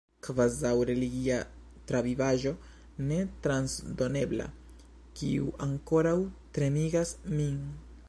Kvazaŭ religia travivaĵo ne transdonebla, kiu ankoraŭ tremigas min.